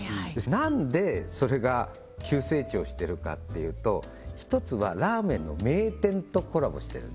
なんでそれが急成長してるかっていうと一つはラーメンの名店とコラボしてるんですよ